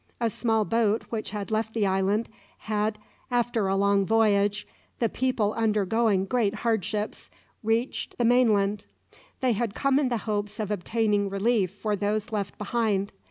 A small boat which had left the island, had, after a long voyage, the people undergoing great hardships, reached the mainland. They had come in the hopes of obtaining relief for those left behind.